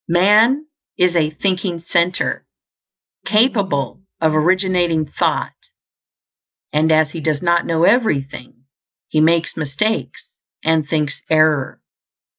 Man is a thinking center, capable of originating thought; and as he does not know everything, he makes mistakes and thinks error.